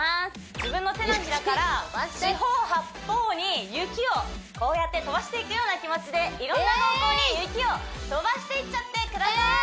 自分の手のひらから四方八方に雪をこうやって飛ばしていくような気持ちでいろんな方向に雪を飛ばしていっちゃってください